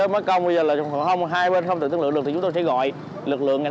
nó công bây giờ là không hai bên không tự thương lượng được thì chúng tôi sẽ gọi lực lượng ngành